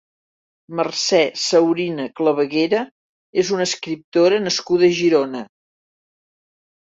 Mercè Saurina Clavaguera és una escriptora nascuda a Girona.